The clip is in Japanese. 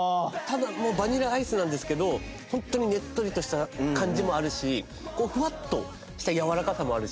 バニラアイスなんですけどホントにねっとりとした感じもあるしフワッとしたやわらかさもあるし